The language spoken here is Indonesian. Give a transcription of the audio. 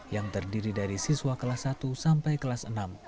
yang terdiri dari siswa kelas satu sampai kelas enam